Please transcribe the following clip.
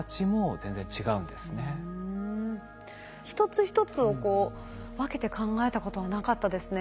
一つ一つを分けて考えたことはなかったですね